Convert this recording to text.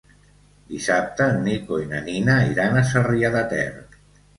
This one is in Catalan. Dissabte en Nico i na Nina iran a Sarrià de Ter.